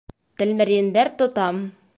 Тәлмәрйендәр тотам!